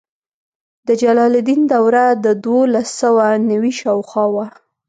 د جلال الدین دوره د دولس سوه نوي شاوخوا وه.